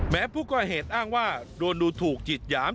แม้ผู้ก่อเหตุอ้างว่าโดนดูถูกจิตหยาม